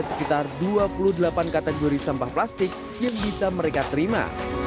setelah pemilihan sampah ini mengaku ada sekitar dua puluh delapan kategori sampah plastik yang bisa mereka terima